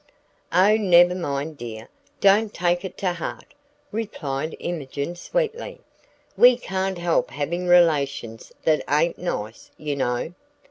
"Oh, never mind, dear, don't take it to heart!" replied Imogen, sweetly. "We can't help having relations that ain't nice, you know."